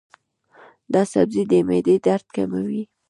دا سبزی د معدې درد کموي.